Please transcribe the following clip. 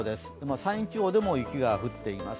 山陰地方でも雪が降っています。